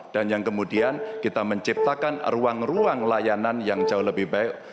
dan yang kemudian kita menciptakan ruang ruang layanan yang jauh lebih baik